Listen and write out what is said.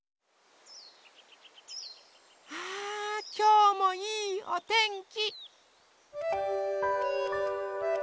あきょうもいいおてんき。